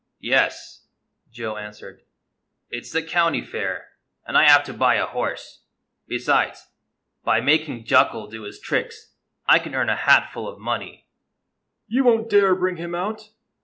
" Yes," Joe answered, "it 's the County Fair, and I have to buy a horse. Besides, by making \ J ucal do his tricks I can earn a hatful of money." " You won't dare bring him out."